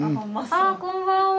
あこんばんは。